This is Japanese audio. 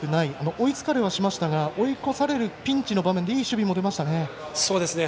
追いつかれはしましたが追い越されるピンチの場面でいい守備も出ましたね。